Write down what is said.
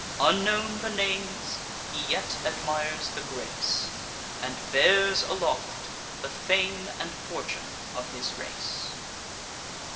Unknown the names, he yet admires the grace, And bears aloft the fame and fortune of his race.